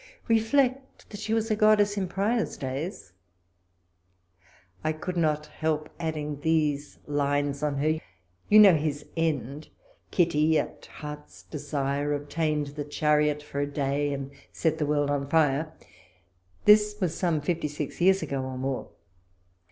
Reflect, that she was a goddess in Prior's days ! I could not help adding these lines on her — you know his end : Kitty, at Heart's desire, Obtained the chariot for a day, And set the world on fire. This was some fifty six years ago, or more.